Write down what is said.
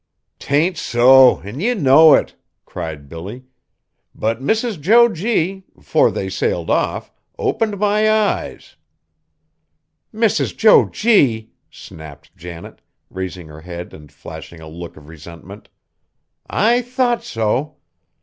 "'T ain't so! An' ye know it!" cried Billy. "But Mrs. Jo G., 'fore they sailed off, opened my eyes." "Mrs. Jo G.!" snapped Janet, raising her head and flashing a look of resentment, "I thought so!